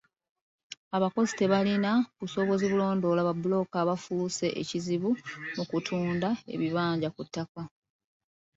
Abakozi tebalina busobozi bulondoola babbulooka abafuuse ekizibu mu kutunda ebibanja ku ttaka.